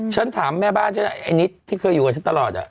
ฉันถามแม่บ้านฉันไอ้นิดที่เคยอยู่กับฉันตลอด